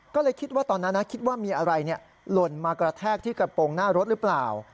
ก็เลยคิดว่าตอนนั้นคิดว่ามีอะไรหล่นมากระแทกที่กระโปรงหน้ารถหรือเปล่า